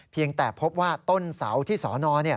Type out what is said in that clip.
เพียงแต่พบว่าต้นเสาที่สอนอ